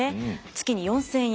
月に４，０００円。